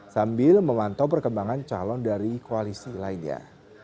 sambil memantau perkembangan calon dari koalisi lainnya